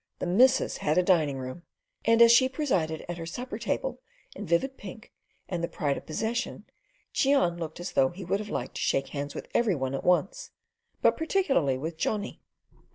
The missus had a dining room, and as she presided at her supper table in vivid pink and the pride of possession, Cheon looked as though he would have liked to shake hands with every one at once, but particularly with Johnny.